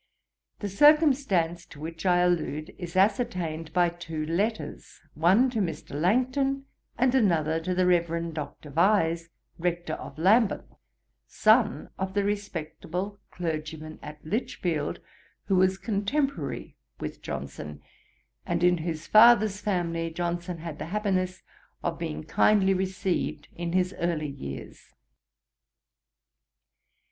The circumstance to which I allude is ascertained by two letters, one to Mr. Langton, and another to the Reverend Dr. Vyse, rector of Lambeth, son of the respectable clergyman at Lichfield, who was contemporary with Johnson, and in whose father's family Johnson had the happiness of being kindly received in his early years.